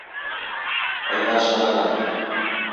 Әйҙә ашханаға